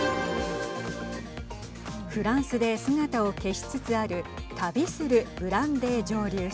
フランスで姿を消しつつある旅するブランデー蒸留所。